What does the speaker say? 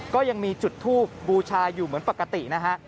ก็ยังมีจุดทูบบูชาอยู่เหมือนปกตินะฮะ